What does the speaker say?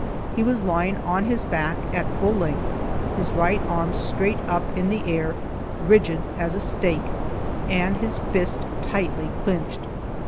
He was lying on his back, at full length, his right arm straight up in the air, rigid as a stake, and his fist tightly clinched.